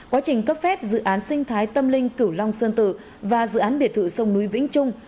quá trình cấp phép dự án sinh thái tâm linh cửu long sơn tử và dự án biệt thự sông núi vĩnh trung